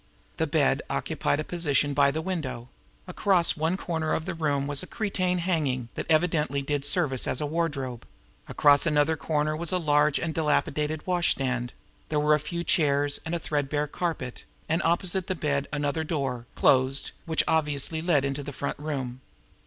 The bed occupied a position by the window; across one corner of the room was a cretonne hanging, that evidently did service as a wardrobe; across another corner was a large and dilapidated washstand; there were a few chairs, and a threadbare carpet; and, opposite the bed, another door, closed, which obviously led into the front room.